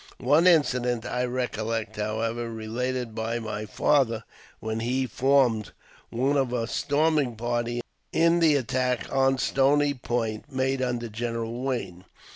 One incident I recollect, however, related by my father, when he formed one of a storming party in the attack on Stony Point made under General Wayne.